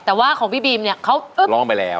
แต่ว่าของพี่บีมเนี่ยเขาร้องไปแล้ว